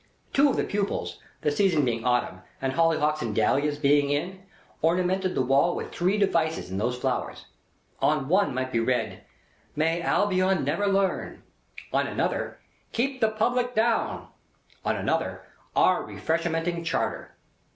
Two of the pupils, the season being autumn, and hollyhocks and daliahs being in, ornamented the wall with three devices in those flowers. On one might be read, "MAY ALBION NEVER LEARN;" on another, "KEEP THE PUBLIC DOWN;" on another, "OUR REFRESHMENTING CHARTER."